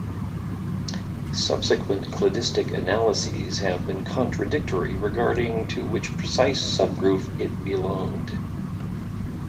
Subsequent cladistic analyses have been contradictory regarding to which precise subgroup it belonged.